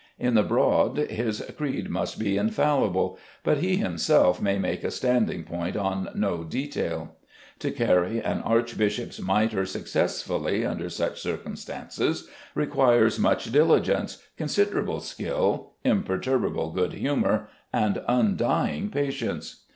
In the broad his creed must be infallible, but he himself may make a standing point on no detail. To carry an archbishop's mitre successfully under such circumstances requires much diligence, considerable skill, imperturbable good humour, and undying patience.